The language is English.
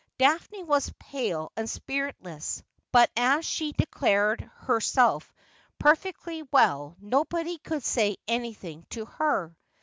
Daphne was pale and spiritless, but as she declared herself per fectly well nobody could say anything to her.